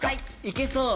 いけそう。